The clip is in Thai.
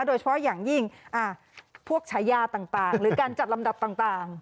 โดยเฉพาะอย่างยิ่งพวกฉายาต่างหรือการจัดลำดับต่าง